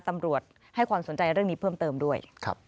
ตำรวจให้ความสนใจเรื่องนี้เพิ่มเติมด้วย